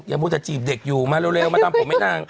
อย่าพูดว่าจะจีบเด็กอยู่มาเร็วมาทำผมให้นั่ง